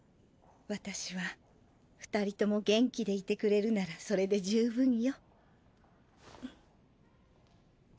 私は２人とも元気でいてくれるならそれで十分よ。